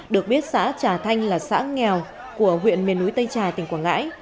được biết xã trà thanh là xã nghèo của huyện miền núi tây trà tỉnh quảng ngãi